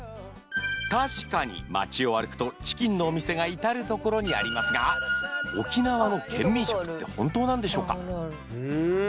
確かに街を歩くとチキンのお店が至る所にありますが沖縄の県民食って本当なんでしょうか？